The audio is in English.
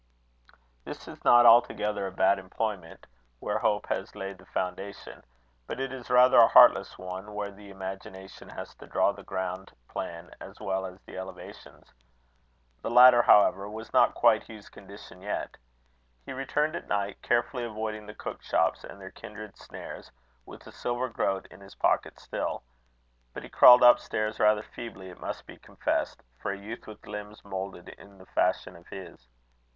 This is not altogether a bad employment where hope has laid the foundation; but it is rather a heartless one where the imagination has to draw the ground plan as well as the elevations. The latter, however, was not quite Hugh's condition yet. He returned at night, carefully avoiding the cook shops and their kindred snares, with a silver groat in his pocket still. But he crawled up stairs rather feebly, it must be confessed, for a youth with limbs moulded in the fashion of his.